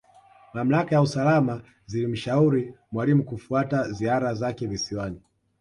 Mamlaka za usalama zilimshauri Mwalimu kufuta ziara zake Visiwani